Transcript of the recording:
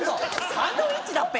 サンドイッチだっぺ！